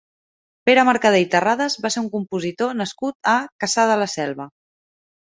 Pere Mercader i Terrades va ser un compositor nascut a Cassà de la Selva.